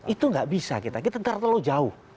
itu gak bisa kita kita terlalu jauh